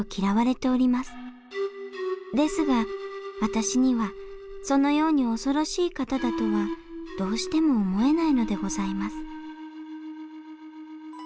ですが私にはそのように恐ろしい方だとはどうしても思えないのでございます